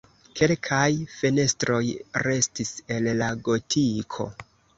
Kelkaj fenestroj restis el la gotiko.